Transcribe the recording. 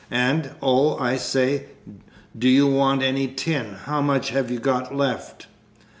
And, oh, I say, do you want any tin? How much have you got left?"